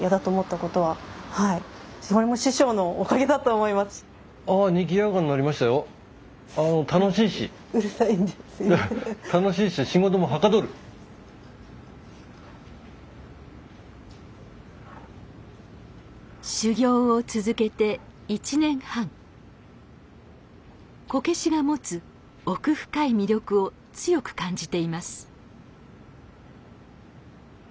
こけしが持つ奥深い魅力を強く感じています。